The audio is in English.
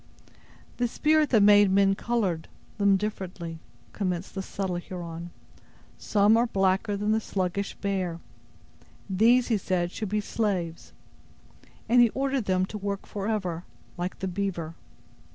"The Spirit that made men colored them differently," commenced the subtle Huron. "Some are blacker than the sluggish bear. These He said should be slaves; and He ordered them to work forever, like the beaver.